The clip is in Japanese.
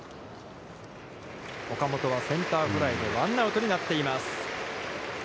岡本のセンターフライで、ワンアウトになっています。